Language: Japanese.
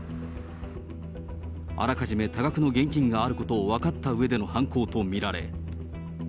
あらかじめ多額の現金があることを分かったうえでの犯行と見られ。